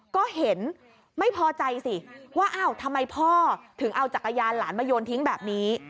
ก็เห็นไม่พอใจสิว่าอ้าวทำไมพ่อถึงเอาจักรยานหลานมาโยนทิ้งแบบนี้